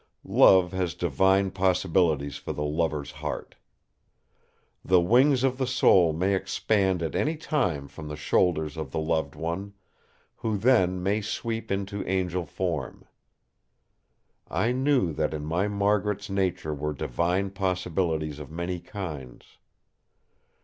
Love has divine possibilities for the lover's heart! The wings of the soul may expand at any time from the shoulders of the loved one, who then may sweep into angel form. I knew that in my Margaret's nature were divine possibilities of many kinds.